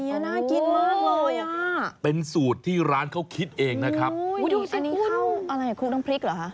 อันนี้น่ากินมากเลยเป็นสูตรที่ร้านเขาคิดเองนะครับอันนี้ข้าวอะไรน้ำพริกเหรอฮะ